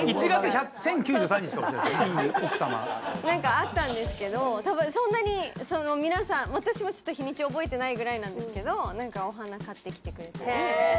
なんかあったんですけどたぶんそんなに皆さん私もちょっと日にち覚えてないぐらいなんですけどなんかお花買ってきてくれて。